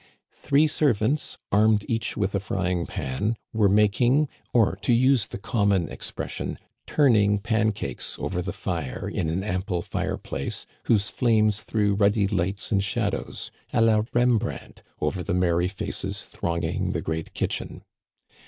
Three servants, armed each with a frying pan, were making, or, to use the common expression, " turning " pancakes over the fire in an ample fireplace, whose flames threw ruddy lights and shadows, à la Rembrandt, over the merry faces thronging the great kitchen.